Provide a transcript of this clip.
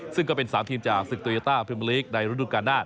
ซึ่งก็เป็น๓ทีมจากซึกโตเยอต้าเพิ่มลีกในรุ่นรุ่นการหน้า